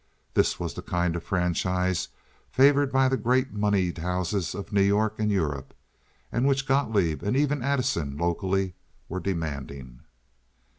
This was the kind of franchise favored by the great moneyed houses of New York and Europe, and which Gotloeb, and even Addison, locally, were demanding.